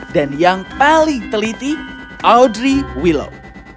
dan yang paling teliti audrey willow